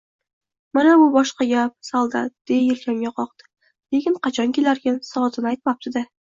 — Mana bu boshqa gap, soldat!- deya yelkamga qoqdi.- Lekin qachon kelarkin? Soatini aytmabdi-da!